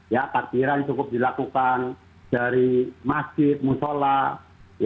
bagaimana kemudian memastikan